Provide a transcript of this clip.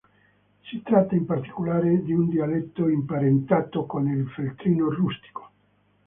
Si tratta in particolare di un dialetto imparentato con il feltrino rustico.